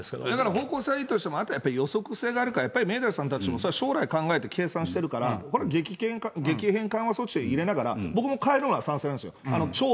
方向性はいいとしても予測性があるから、やっぱり明大さんたちも将来考えて計算してるから、これは激変緩和措置と入れながら、僕も変えるのは賛成なんですよ。